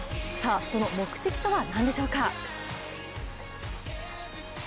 その目的とはなんでしょうか？